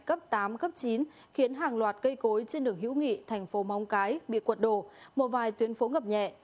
cấp tám cấp chín khiến hàng loạt cây cối trên đường hữu nghị thành phố móng cái bị quật đổ một vài tuyến phố ngập nhẹ